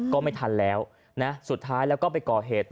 ก็ไม่ทันแล้วนะสุดท้ายแล้วก็ไปก่อเหตุ